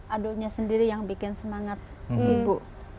aduknya sendiri yang bikin semangat ibu